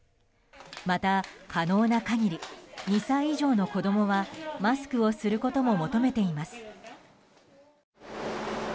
また、可能な限り２歳以上の子供はマスクをすることも求めています。